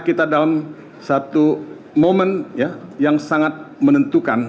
kita dalam satu momen yang sangat menentukan